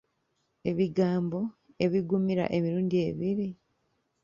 Ebigambo ebiggumira emirundi ebiri.